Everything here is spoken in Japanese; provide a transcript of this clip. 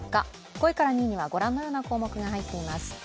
５位から２位にはご覧のような項目が入っています。